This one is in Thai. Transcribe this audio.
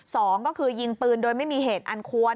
สองก็คือยิงปืนโดยไม่มีเหตุอันควร